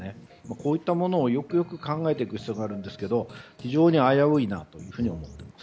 こういったものをよく考えていく必要があるんですけど非常に危ういなと思っています。